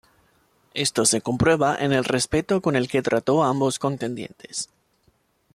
Esto se comprueba en el respeto con el que trató a ambos contendientes.